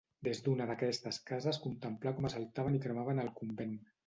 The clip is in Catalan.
Des d'una d'aquestes cases contemplà com assaltaven i cremaven el convent.